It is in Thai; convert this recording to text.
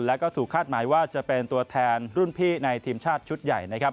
แล้วก็ถูกคาดหมายว่าจะเป็นตัวแทนรุ่นพี่ในทีมชาติชุดใหญ่นะครับ